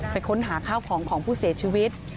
ค้นหาข้าวของของผู้เสียชีวิต